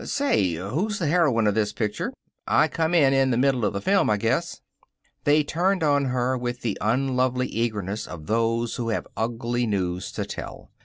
"Say, who's the heroine of this picture? I come in in the middle of the film, I guess." They turned on her with the unlovely eagerness of those who have ugly news to tell.